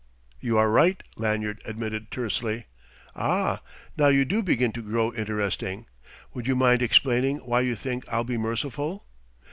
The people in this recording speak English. "You are right," Lanyard admitted tersely. "Ah! Now you do begin to grow interesting! Would you mind explaining why you think I'll be merciful?"